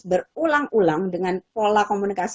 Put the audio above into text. berulang ulang dengan pola komunikasi